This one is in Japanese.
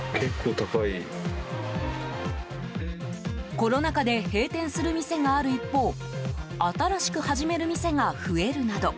コロナ禍で閉店する店がある一方新しく始める店が増えるなど